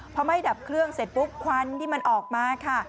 พอไม่ดับเครื่องเสร็จปุ๊บควันที่มันออกมาค่ะ